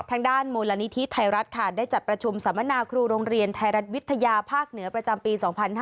ทางด้านมูลนิธิไทยรัฐค่ะได้จัดประชุมสัมมนาครูโรงเรียนไทยรัฐวิทยาภาคเหนือประจำปี๒๕๕๙